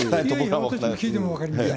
僕に聞いても分かりません。